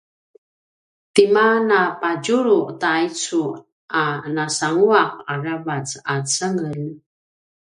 tima napadjulu taicu a nasanguaq aravac a cengelj?